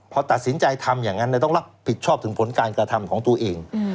พอตัดสินใจทำอย่างนั้นต้องรับผิดชอบถึงผลการกระทำของตัวเอง